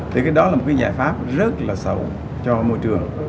thì cái đó là một cái giải pháp rất là xấu cho môi trường